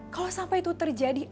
kalau sampai itu terjadi